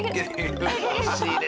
惜しいね。